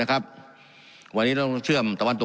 การปรับปรุงทางพื้นฐานสนามบิน